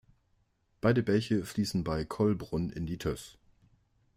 Beide Bäche fliessen bei Kollbrunn in die Töss.